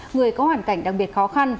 người có hoàn cảnh đặc biệt khó khăn